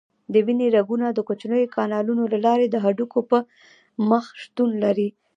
د وینې رګونه د کوچنیو کانالونو له لارې د هډوکو په مخ شتون لري.